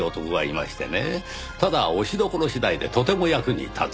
ただ押しどころ次第でとても役に立つ。